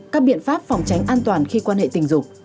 các biện pháp phòng tránh an toàn khi quan hệ tình dục